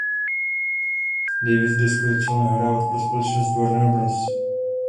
Davis desku začal nahrávat pro společnost Warner Bros.